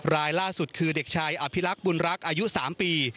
รายล่าสุดคือเด็กชายอภิรักษ์บุญรักษ์อายุ๓ปี